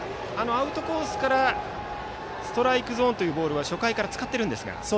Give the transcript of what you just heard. アウトコースからストライクゾーンというボールは初回から使っているんですが。